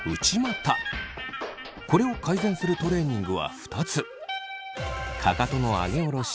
これを改善するトレーニングは２つ。